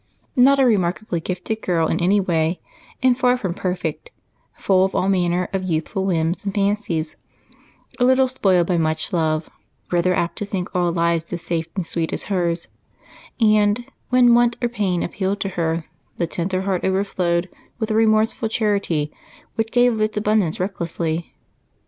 Not a remarkably gifted girl in any way, and far from perfect; full of all manner of youthful whims and fancies; a little spoiled by much love; rather apt to think all lives as safe and sweet as her own; and, when want or pain appealed to her, the tender heart overflowed with a remorseful charity which gave of its abundance recklessly.